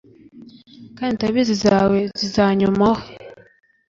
kandi ndabizi zawe zizanyomaho